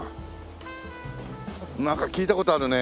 なんか聞いた事あるね。